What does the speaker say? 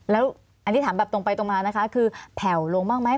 แล้วอันนี้ถามแบบตรงไปตรงมานะคะคือแผ่วลงบ้างไหม